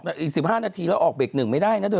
๑๕นาทีแล้วออกเบรกหนึ่งไม่ได้นะเธอ